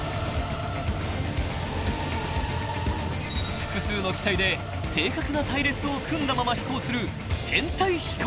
［複数の機体で正確な隊列を組んだまま飛行する］